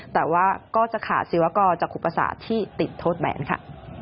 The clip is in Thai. แต่ว่าก็จะขาดศิวากรจากอุปสาที่ติดโทษแบนค่ะ